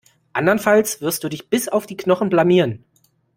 Andernfalls wirst du dich bis auf die Knochen blamieren.